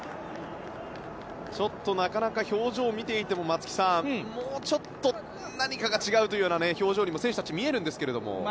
ちょっと、なかなか表情を見ていても、松木さんもうちょっと何かが違うという表情にも選手たち見えるんですけども。